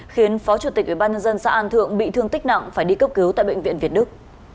khiến phó chủ tịch ubnd xã an thượng bị thương tích nặng phải đi cấp cứu tại bệnh viện việt đức